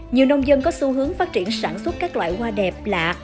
nhiều nông dân có xu hướng phát triển sản xuất các loại hoa đẹp lạ